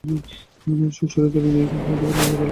সুচরিতা বিনয়কে যাইতে বলিল, গোরাকে বলিতে পারিল না।